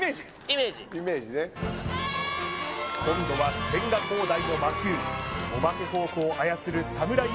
イメージ今度は千賀滉大の魔球お化けフォークを操るサムライ